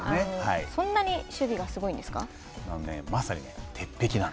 そんなに守備がすごいんですか。